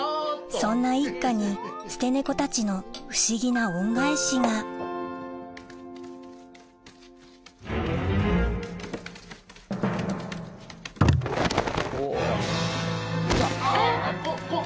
そんな一家に捨てネコたちの不思議な恩返しがあっ！